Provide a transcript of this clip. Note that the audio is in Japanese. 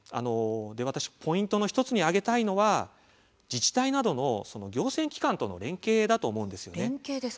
私がポイントの１つに挙げたいのは自治体などの行政機関との連携なんです。